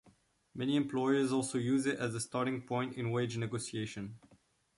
Many employers also use it as a starting point in wage negotiation.